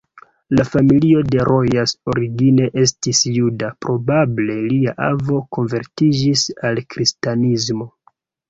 La familio de Rojas origine estis juda, probable lia avo konvertiĝis al kristanismo.